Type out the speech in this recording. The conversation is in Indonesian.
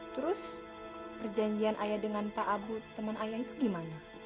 terus perjanjian ayah dengan pak abu teman ayah itu gimana